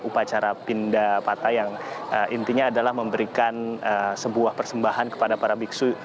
upacara pindah patah yang intinya adalah memberikan sebuah persembahan kepada para biksu